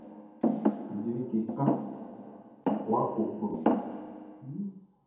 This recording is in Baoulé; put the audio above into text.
Di like kan ya koklo.